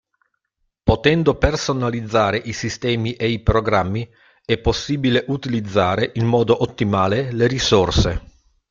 Potendo personalizzare i sistemi e i programmi è possibile utilizzare in modo ottimale le risorse.